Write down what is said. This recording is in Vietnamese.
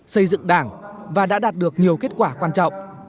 xây dựng đảng và đã đạt được nhiều kết quả quan trọng